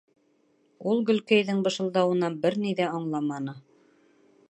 Ул Гөлкәйҙең бышылдауынан бер ни ҙә аңламаны.